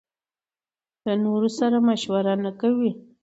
له نورو سره مشوره نکوي.